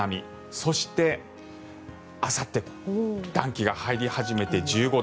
そして、あさって暖気が入り始めて１５度。